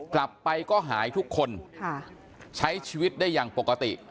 กลับไปก็หายทุกคนใช้ชีวิตได้อย่างปกติ